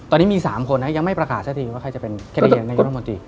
ตอนนี้มี๓คนนะยังไม่ประกาศสักทีว่าใครจะเป็นแคนดิเดตนายรัฐมนตรี